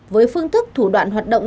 với phương thức thủ đoạn hoạt động